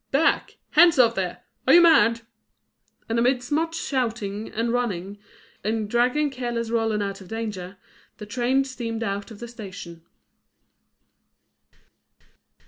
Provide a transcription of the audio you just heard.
back! hands off there! Are you mad?" And amidst much shouting, and running, and dragging careless Roland out of danger, the train steamed out of the station.